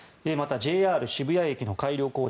ＪＲ渋谷駅の改良工事